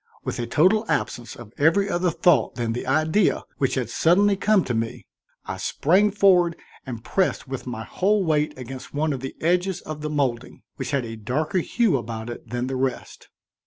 With a total absence of every other thought than the idea which had suddenly come to me, I sprang forward and pressed with my whole weight against one of the edges of the molding which had a darker hue about it than the rest.